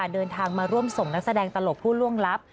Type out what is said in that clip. เดินทางมาร่วมส่งนักแสดงตลกผู้ล่วงลับ